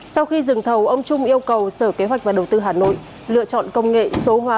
sau khi dừng thầu ông trung yêu cầu sở kế hoạch và đầu tư hà nội lựa chọn công nghệ số hóa